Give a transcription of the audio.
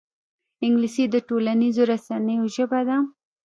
انګلیسي د ټولنیزو رسنیو ژبه ده